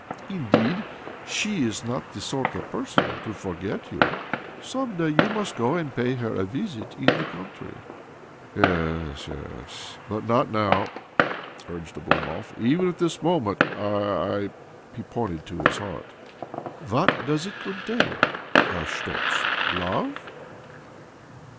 Indeed, she is not the sort of person to forget you. Some day you must go and pay her a visit in the country." " Yes, yes— but not now," urged Oblomov. " Even at this moment I— I " He pointed to his heart. "What does it contain?" asked Schtoltz. "Love?"